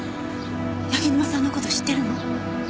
柳沼さんの事知ってるの？